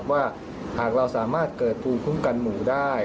ว่าหากเราสามารถเกิดภูมิคุ้มกันหมู่ได้